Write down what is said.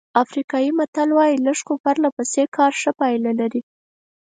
افریقایي متل وایي لږ خو پرله پسې کار ښه پایله لري.